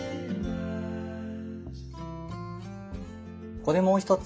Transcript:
ここでもう一つ！